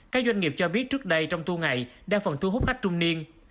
các doanh nghiệp cho biết trước đây trong tu ngày đang phần thu hút khách trung niên